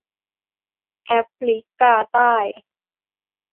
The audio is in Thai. แอฟริกาใต้